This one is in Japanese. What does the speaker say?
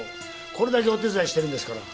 これだけお手伝いしてるんですから。